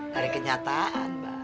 dari kenyataan mbak